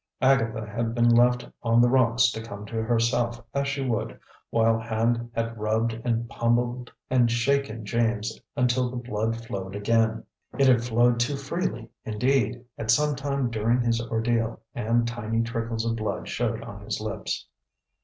Agatha had been left on the rocks to come to herself as she would, while Hand had rubbed and pummeled and shaken James until the blood flowed again. It had flowed too freely, indeed, at some time during his ordeal; and tiny trickles of blood showed on his lips.